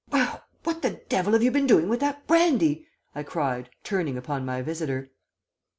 "'What the devil have you been doing with that brandy?' I cried, turning upon my visitor.